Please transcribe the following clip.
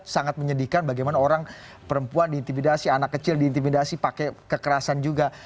sangat menyedihkan bagaimana orang perempuan diintimidasi anak kecil diintimidasi pakai kekerasan juga